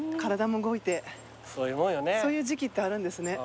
そういう時期ってあるんですね。